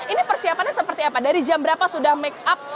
ini persiapannya seperti apa dari jam berapa sudah make up